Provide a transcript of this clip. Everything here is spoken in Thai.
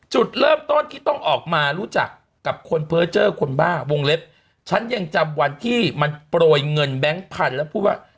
จุดเริ่มต้นที่ต้องออกมารู้จักกับคนเพอร์เจอร์คนบ้าวงเล็บฉันยังจำวันที่มันโปรยเงินแบงค์พันธุ์แล้วพูดว่า